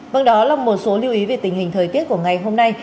vâng đó là một số lưu ý về tình hình thời tiết của ngày hôm nay